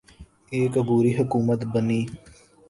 ایک عبوری حکومت بنی۔